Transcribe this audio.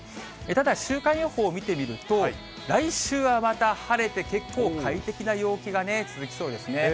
ただ週間予報を見てみると、来週はまた晴れて結構、快適な陽気が続きそうですね。